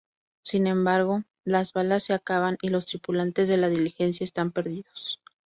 Sin embargo, las balas se acaban y los tripulantes de la diligencia están perdidos.